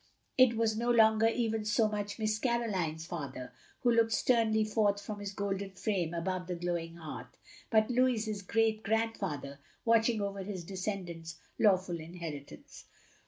It was no longer even so much Miss Caroline's father who looked sternly forth from his golden frame above the glowing hearth ; but Louis's great grandfather watching over his descendant's law ful inheritance.